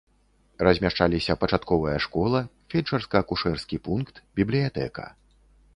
Размяшчаліся пачатковая школа, фельчарска-акушэрскі пункт, бібліятэка.